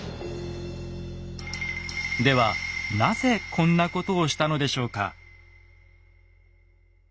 ではなぜこんなことをしたのでしょうか？